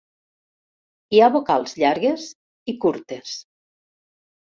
Hi ha vocals llargues i curtes.